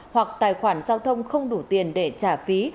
hoặc tài khoản giao thông không đủ tiền để trả phí